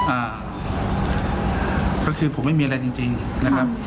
อ่าก็คือผมไม่มีอะไรจริงจริงนะครับ